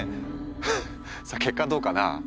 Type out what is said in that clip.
フッさあ結果はどうかな？